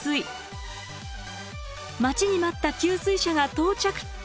待ちに待った給水車が到着。